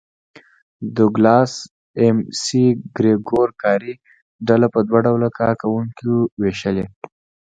ډوګلاس اېم سي ګرېګور کاري ډله په دوه ډوله کار کوونکو وېشلې.